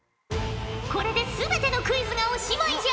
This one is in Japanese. これで全てのクイズがおしまいじゃ。